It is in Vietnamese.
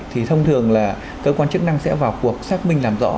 thì thông thường là cơ quan chức năng sẽ vào cuộc xác minh làm rõ